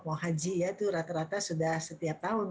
mau haji ya itu rata rata sudah setiap tahun